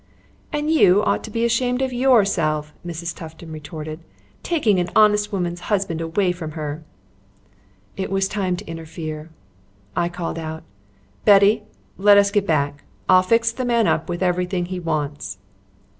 "And you ought to be ashamed of yourself," Mrs. Tufton retorted "taking an honest woman's husband away from her." It was time to interfere. I called out: "Betty, let us get back. I'll fix the man up with everything he wants."